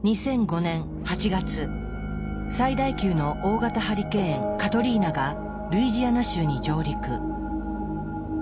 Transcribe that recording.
最大級の大型ハリケーン・カトリーナがルイジアナ州に上陸。